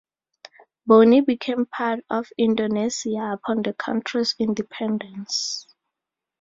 Boni became part of Indonesia upon the country's independence.